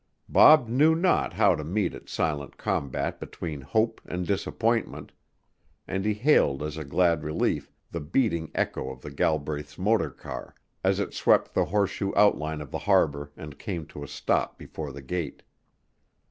Bob knew not how to meet its silent combat between hope and disappointment, and he hailed as a glad relief the beating echo of the Galbraiths' motor car as it swept the horseshoe outline of the harbor and came to a stop before the gate.